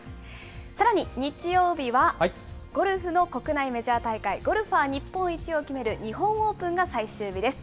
さらに日曜日は、ゴルフの国内メジャー大会、ゴルファー日本一を決める日本オープンが最終日です。